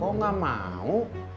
kok gak mau